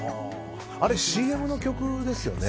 ＣＭの曲ですよね。